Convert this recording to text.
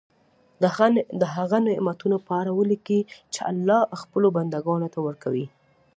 د هغه نعمتونو په اړه ولیکي چې الله خپلو بندګانو ته ورکوي.